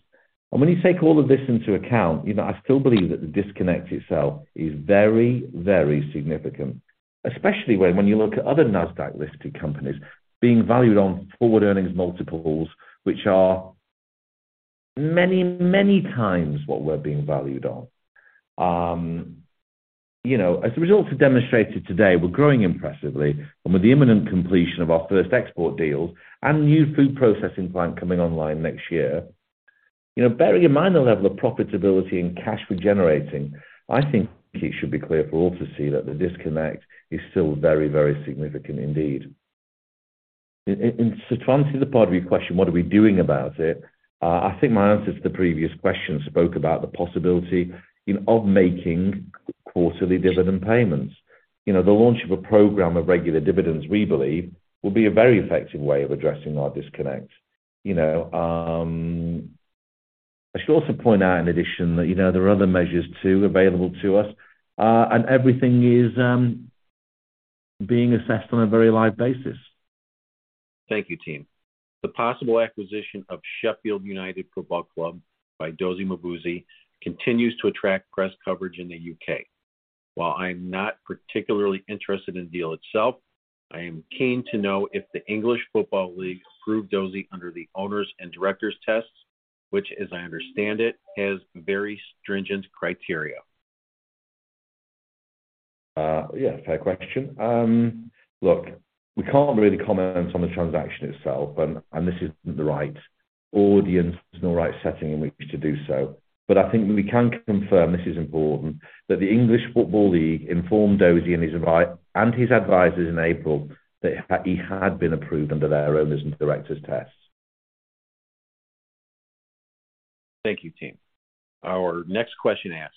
S2: When you take all of this into account, you know, I still believe that the disconnect itself is very, very significant, especially when you look at other Nasdaq-listed companies being valued on forward earnings multiples, which are many, many times what we're being valued on. You know, as the results have demonstrated today, we're growing impressively, and with the imminent completion of our first export deals and new food processing plant coming online next year, you know, bearing in mind the level of profitability and cash we're generating, I think it should be clear for all to see that the disconnect is still very, very significant indeed. To answer the part of your question, what are we doing about it? I think my answer to the previous question spoke about the possibility, you know, of making quarterly dividend payments. You know, the launch of a program of regular dividends, we believe, will be a very effective way of addressing our disconnect. You know, I should also point out in addition that, you know, there are other measures too available to us, and everything is being assessed on a very live basis.
S5: Thank you, team. The possible acquisition of Sheffield United Football Club by Dozy Mmobuosi continues to attract press coverage in the U.K. While I'm not particularly interested in the deal itself, I am keen to know if the English Football League approved Dozy under the Owners and Directors Tests, which, as I understand it, has very stringent criteria. Yeah, fair question. Look, we can't really comment on the transaction itself, and this isn't the right audience, this is not the right setting in which to do so. I think what we can confirm, this is important, that the English Football League informed Dozy and his advisors in April that he had been approved under their Owners and Directors Tests. Thank you, team. Our next question asks,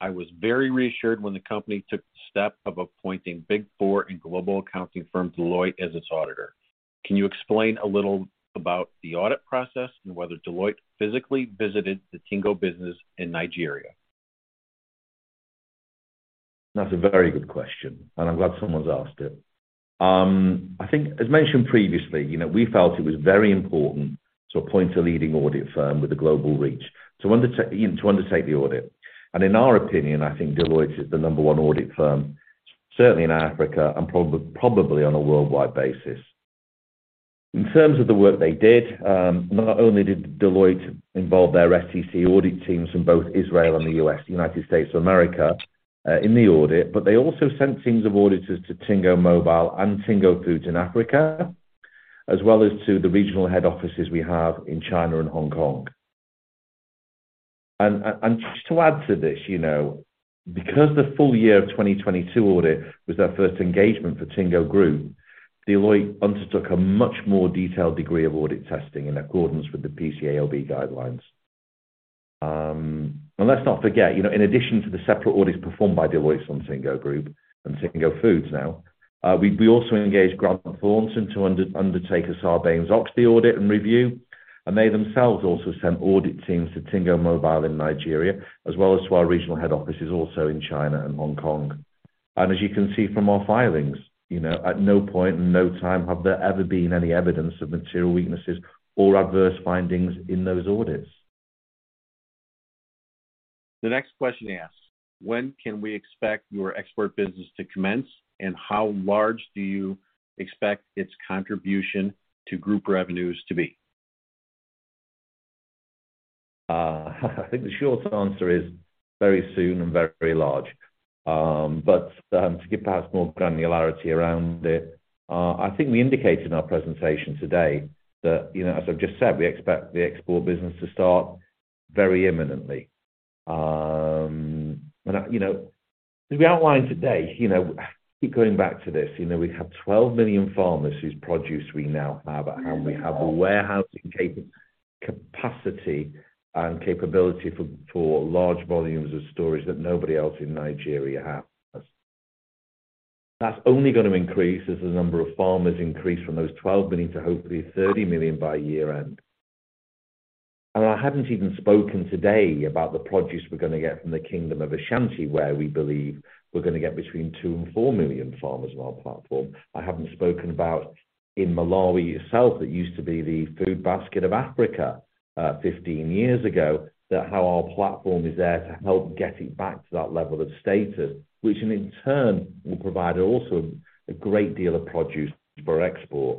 S5: "I was very reassured when the company took the step of appointing Big Four and global accounting firm Deloitte as its auditor. Can you explain a little about the audit process and whether Deloitte physically visited the Tingo business in Nigeria?
S2: That's a very good question, and I'm glad someone's asked it. I think as mentioned previously, you know, we felt it was very important to appoint a leading audit firm with a global reach you know, to undertake the audit. In our opinion, I think Deloitte is the number 1 audit firm, certainly in Africa and probably on a worldwide basis. In terms of the work they did, not only did Deloitte involve their STC audit teams from both Israel and the U.S., United States of America, in the audit, but they also sent teams of auditors to Tingo Mobile and Tingo Foods in Africa, as well as to the regional head offices we have in China and Hong Kong. Just to add to this, you know, because the full year of 2022 audit was their first engagement for Tingo Group, Deloitte undertook a much more detailed degree of audit testing in accordance with the PCAOB guidelines. Let's not forget, you know, in addition to the separate audits performed by Deloitte on Tingo Group and Tingo Foods now, we also engaged Grant Thornton to undertake a Sarbanes-Oxley audit and review, and they themselves also sent audit teams to Tingo Mobile in Nigeria, as well as to our regional head offices also in China and Hong Kong. As you can see from our filings, you know, at no point, in no time have there ever been any evidence of material weaknesses or adverse findings in those audits.
S5: The next question asks, "When can we expect your export business to commence, and how large do you expect its contribution to group revenues to be?
S2: I think the short answer is very soon and very, very large. To give perhaps more granularity around it, I think we indicated in our presentation today that, you know, as I've just said, we expect the export business to start very imminently. You know, as we outlined today, you know, keep going back to this, you know, we have 12 million farmers whose produce we now have at hand. We have the warehousing capacity and capability for large volumes of storage that nobody else in Nigeria has. That's only gonna increase as the number of farmers increase from those 12 million to hopefully 30 million by year-end. I haven't even spoken today about the produce we're gonna get from the Kingdom of Ashanti, where we believe we're gonna get between 2 and 4 million farmers on our platform. I haven't spoken about in Malawi itself, it used to be the food basket of Africa, 15 years ago. That how our platform is there to help get it back to that level of status, which in turn will provide also a great deal of produce for export.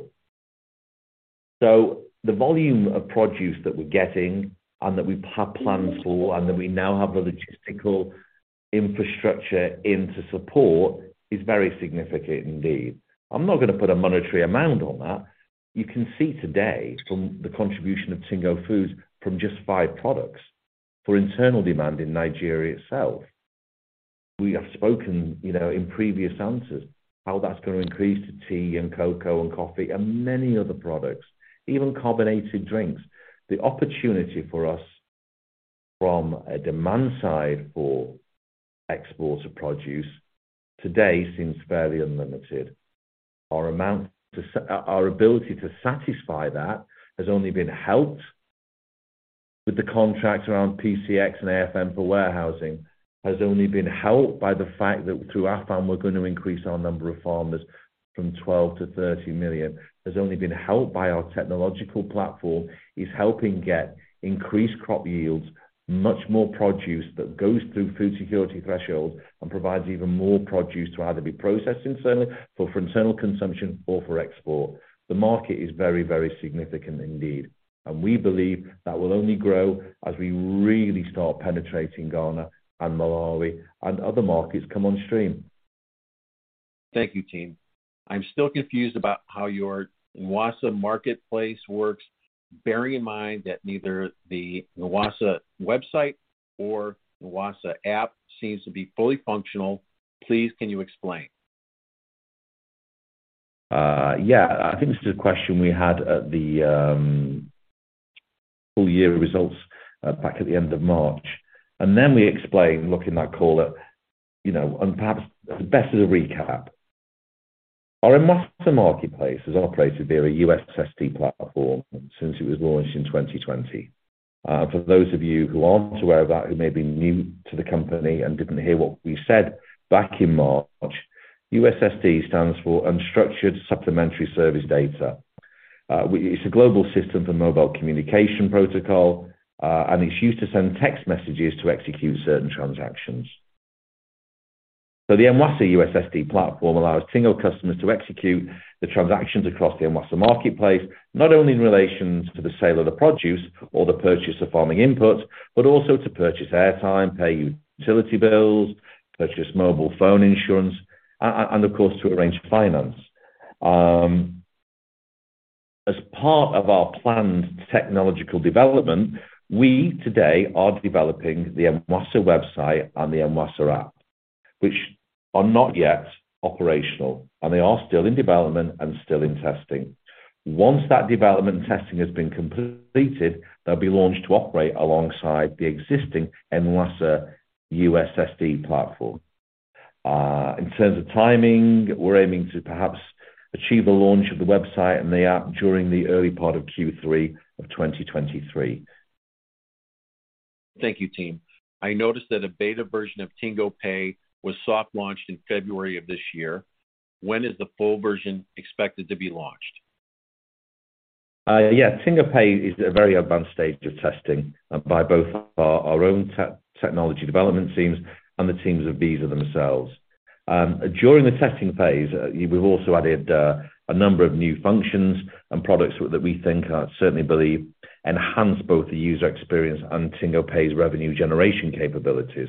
S2: The volume of produce that we're getting and that we have plans for, and that we now have the logistical infrastructure in to support, is very significant indeed. I'm not gonna put a monetary amount on that. You can see today from the contribution of Tingo Foods from just 5 products for internal demand in Nigeria itself. We have spoken, you know, in previous answers how that's gonna increase to tea and cocoa and coffee and many other products, even carbonated drinks. The opportunity for us from a demand side for export of produce today seems fairly unlimited. Our ability to satisfy that has only been helped with the contract around PCX and AFAN for warehousing. Has only been helped by the fact that through AFAN we're gonna increase our number of farmers from 12 to 30 million. Has only been helped by our technological platform, is helping get increased crop yields, much more produce that goes through food security thresholds and provides even more produce to either be processed internally for internal consumption or for export. The market is very, very significant indeed, and we believe that will only grow as we really start penetrating Ghana and Malawi and other markets come on stream.
S5: Thank you, team. I'm still confused about how your Nwassa marketplace works, bearing in mind that neither the Nwassa website or Nwassa app seems to be fully functional. Please can you explain?
S2: Yeah. I think this is a question we had at the full year results back at the end of March, we explained, look, in that call that, you know, and perhaps as best as a recap. Our Nwassa marketplace has operated via a USSD platform since it was launched in 2020. For those of you who aren't aware of that, who may be new to the company and didn't hear what we said back in March, USSD stands for Unstructured Supplementary Service Data. It's a global system for mobile communication protocol, it's used to send text messages to execute certain transactions. The Nwassa USSD platform allows Tingo customers to execute the transactions across the Nwassa marketplace, not only in relation to the sale of the produce or the purchase of farming inputs, but also to purchase airtime, pay utility bills, purchase mobile phone insurance and of course, to arrange finance. As part of our planned technological development, we today are developing the Nwassa website and the Nwassa app, which are not yet operational, and they are still in development and still in testing. Once that development and testing has been completed, they'll be launched to operate alongside the existing Nwassa USSD platform. In terms of timing, we're aiming to perhaps achieve a launch of the website and the app during the early part of Q3 of 2023.
S5: Thank you, team. I noticed that a beta version of Tingo Pay was soft launched in February of this year. When is the full version expected to be launched?
S2: Yeah. Tingo Pay is at a very advanced stage of testing by both our own technology development teams and the teams of Visa themselves. During the testing phase, we've also added a number of new functions and products that we think, I certainly believe, enhance both the user experience and Tingo Pay's revenue generation capabilities.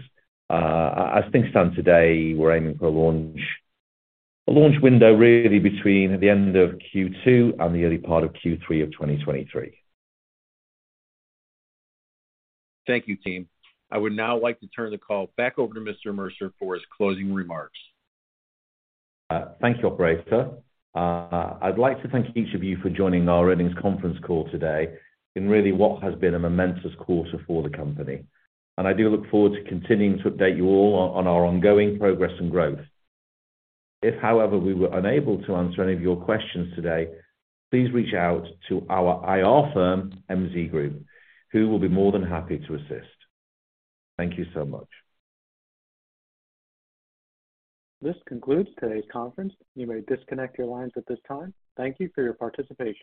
S2: As things stand today, we're aiming for a launch, a launch window really between the end of Q2 and the early part of Q3 of 2023.
S1: Thank you, team. I would now like to turn the call back over to Mr. Mercer for his closing remarks.
S2: Thank you, operator. I'd like to thank each of you for joining our earnings conference call today in really what has been a momentous quarter for the company. I do look forward to continuing to update you all on our ongoing progress and growth. If, however, we were unable to answer any of your questions today, please reach out to our IR firm, MZ Group, who will be more than happy to assist. Thank you so much.
S1: This concludes today's conference. You may disconnect your lines at this time. Thank you for your participation.